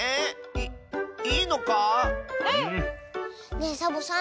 ねえサボさん